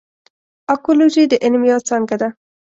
اکولوژي د علم یوه څانګه ده.